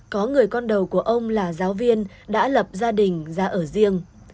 có người con đầu của ông là giáo viên đã lập gia đình ra ở riêng